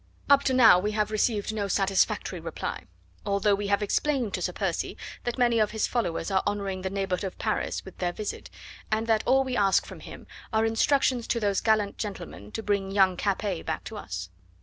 Up to now we have received no satisfactory reply, although we have explained to Sir Percy that many of his followers are honouring the neighbourhood of Paris with their visit, and that all we ask for from him are instructions to those gallant gentlemen to bring young Capet back to us.